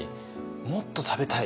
もっと食べたい。